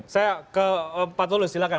saya ke pak tulus silahkan